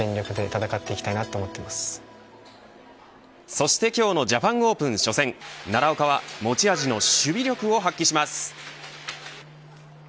そして、今日のジャパンオープン初戦奈良岡は持ち味の守備力を発揮します。